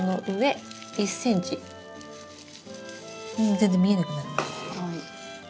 全然見えなくなるまで。